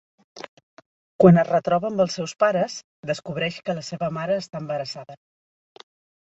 Quan es retroba amb els seus pares, descobreix que la seva mare està embarassada.